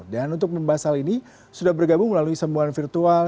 dan untuk membahas hal ini sudah bergabung melalui sembuhan virtual